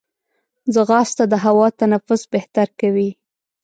ځغاسته د هوا تنفس بهتر کوي